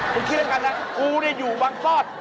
คุณคิดเรื่องกันนะกูได้อยู่บางซ่อน